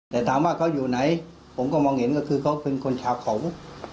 แต่ถามว่าเขาอยู่ไหนผมก็มองเห็นก็คือเขาเป็นคนชาวเขา